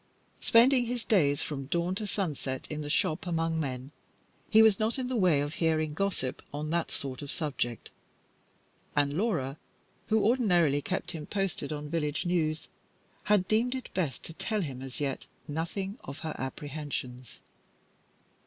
Spending his days from dawn to sunset in the shop among men, he was not in the way of hearing gossip on that sort of subject; and Laura, who ordinarily kept him posted on village news, had, deemed it best to tell him as yet nothing of her apprehensions.